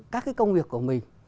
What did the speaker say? các cái công việc của mình